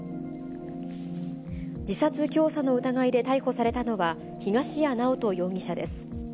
自殺教唆の疑いで逮捕されたのは、東谷直人容疑者です。